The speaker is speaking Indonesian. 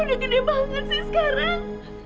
lo udah gede banget sih sekarang